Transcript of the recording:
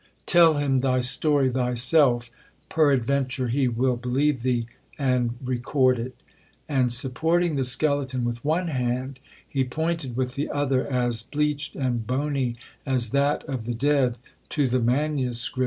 'Tell him thy story thyself, peradventure he will believe thee, and record it.' And supporting the skeleton with one hand, he pointed with the other, as bleached and bony as that of the dead, to the manuscript that lay before me.